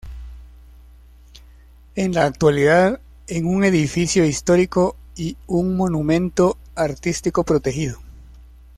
En la actualidad, en un edificio histórico, y un monumento artístico protegido.